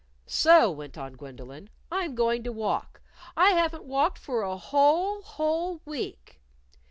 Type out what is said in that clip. "So," went on Gwendolyn, "I'm going to walk. I haven't walked for a whole, whole week."